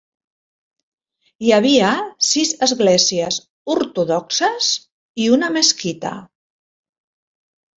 Hi havia sis esglésies ortodoxes i una mesquita.